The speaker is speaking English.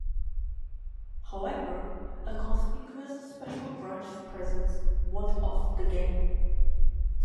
However, a conspicuous Special Branch presence warned off the gang.